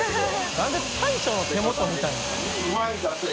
なんで大将の手元見たんや？